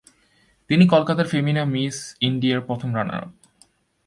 তিনি কলকাতার Femina Miss ইন্ডিয়ার প্রথম রানার আপ।